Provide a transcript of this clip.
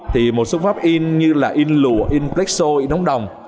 thì một số pháp in như là in lụa in plexo in nóng đồng